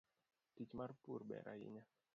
Tich mar pur ber hainya.